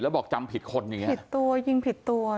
แล้วบอกจำผิดคนอย่างนี้ผิดตัวยิงผิดตัว